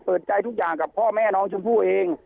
เปิดใจทุกอย่างกับพ่อแม่น้องชมพู่เอง